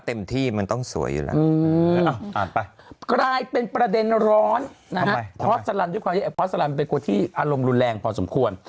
เต็มที่มันต้องสวยฉันได้เป็นประเด็นร้อนออกลงตอบสมควร